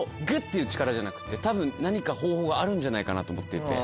ていう力じゃなくてたぶん何か方法があるんじゃないかなと思っていて。